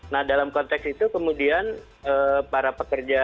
nah dalam konteks itu kemudian para pekerja